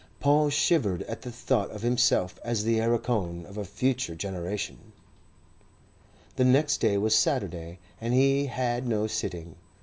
Paul shivered at the thought of himself as the Erricone of a future generation. The next day was Saturday, and he had no sitting.